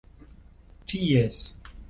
ĉies